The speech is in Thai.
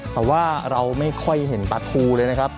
แต่ว่าเราไม่ค่อยเห็นปลาทูเลยนะครับ